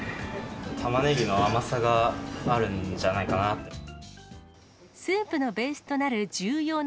タマネギの甘さがあるんじゃないかな。